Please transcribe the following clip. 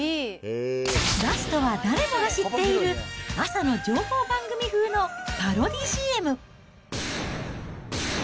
ラストは、誰もが知っている朝の情報番組風のパロディＣＭ。